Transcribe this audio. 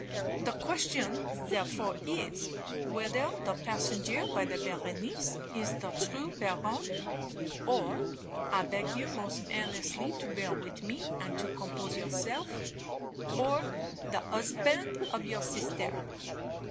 The question, therefore, is, whether the passenger by the Berenice is the true baron, or I beg you most earnestly to bear with me and to compose yourself or the husband of your sister.